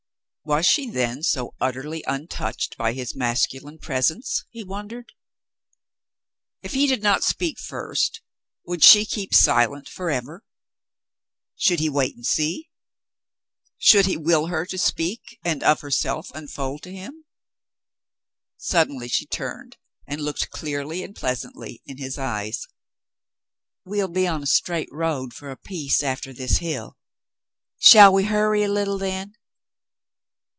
Was she, then, so utterly untouched by his masculine presence ? he wondered. If he did not speak first, would she keep silent forever ? Should he wait and see ? Should he will her to speak and of herself unfold to him ? Suddenly she turned and looked clearly and pleasantly in his eyes. "We'll be on a straight road for a piece after this hill ; shall we hurry a little then